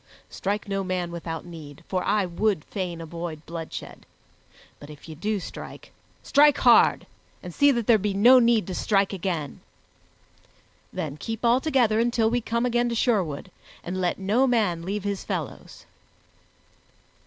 Strike no man without need, for I would fain avoid bloodshed, but if ye do strike, strike hard, and see that there be no need to strike again. Then keep all together until we come again to Sherwood, and let no man leave his fellows."